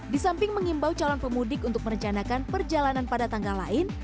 di samping mengimbau calon pemudik untuk merencanakan perjalanan pada tanggal lain